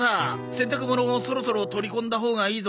洗濯物そろそろ取り込んだほうがいいぞ。